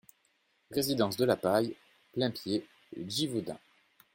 Résidence de la Paille, Plaimpied-Givaudins